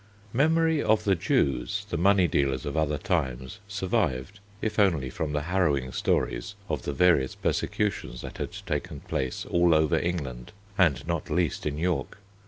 Memory of the Jews, the money dealers of other times, survived if only from the harrowing stories of the various persecutions that had taken place all over England, and not least in York.